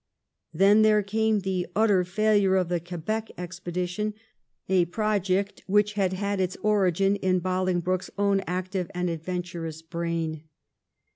Then there came the utter failure of the Quebec expedi tion, a project which had had its origin in Boling broke's own active and adventurous brain.